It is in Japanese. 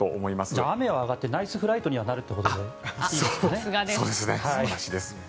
じゃあ雨は上がってナイスフライトにはなるということですね。